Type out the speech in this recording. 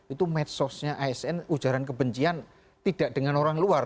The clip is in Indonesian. itu medsosnya asn ujaran kebencian tidak dengan orang luar